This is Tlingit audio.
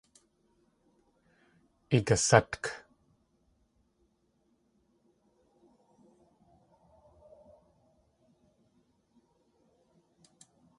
Igasátk!